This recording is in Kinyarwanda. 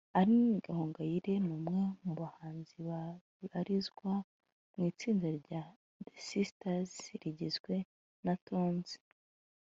Aline Gahongayire ni umwe mu bahanzi babarizwa mu itsinda rya The Sisters rigizwe na Tonzi